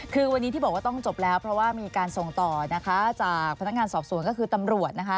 คือวันนี้ที่บอกว่าต้องจบแล้วเพราะว่ามีการส่งต่อนะคะจากพนักงานสอบสวนก็คือตำรวจนะคะ